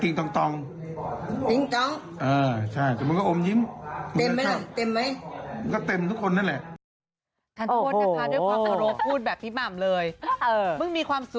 ตรงใช่แต่มันก็อมยิ้มเต็มไหม